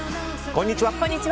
こんにちは。